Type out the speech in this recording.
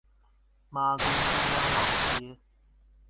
媽宮中央老街